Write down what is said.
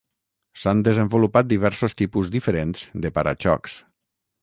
S'han desenvolupat diversos tipus diferents de para-xocs.